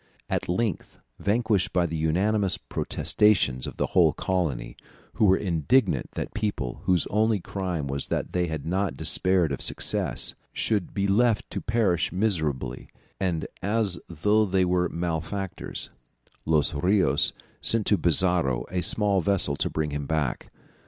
At length, vanquished by the unanimous protestations of the whole colony, who were indignant that people whose only crime was that they had not despaired of success, should be left to perish miserably and as though they were malefactors, Los Rios sent to Pizarro a small vessel to bring him back.